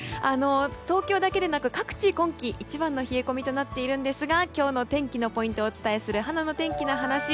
東京だけでなく各地で今季一番の冷え込みとなっているんですが今日の天気のポイントをお伝えするはなの天気のはなし。